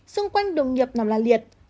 xung quanh đồng nghiệp nằm la liệt